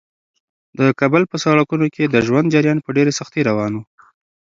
د کابل په سړکونو کې د ژوند جریان په ډېرې سختۍ روان و.